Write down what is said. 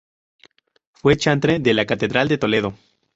Fue chantre de la catedral de Toledo.